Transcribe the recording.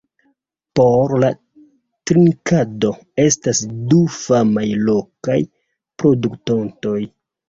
Por la trinkado estas du famaj lokaj produktoj.